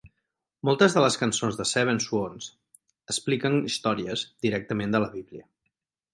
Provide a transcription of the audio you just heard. Moltes de les cançons de Seven Swans expliquen històries directament de la Bíblia.